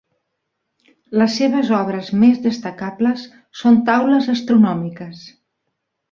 Les seves obres més destacables són taules astronòmiques.